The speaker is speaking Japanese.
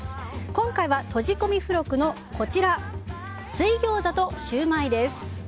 今回は、綴じ込み付録のこちら水ギョーザとシューマイです。